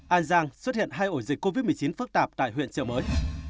an giang xuất hiện hai ổ dịch covid một mươi chín phức tạp tại huyện trợ mới